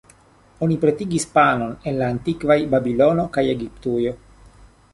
Oni pretigis panon en la antikvaj Babilono kaj Egiptujo.